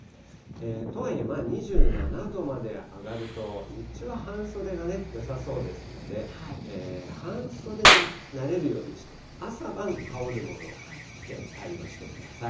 とはいえ２７度まで上がると、日中は半袖がよさそうですので、半袖になれるようにして、朝晩、羽織るものを着て対応してください。